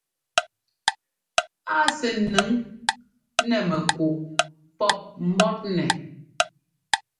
A sɛ́ ńnʉŋ nɛ mɛkúꞌ pɔ́p mbɔ́tnɛ.